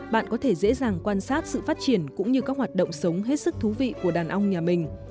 bạn có thể dễ dàng quan sát sự phát triển cũng như các hoạt động sống hết sức thú vị của đàn ong nhà mình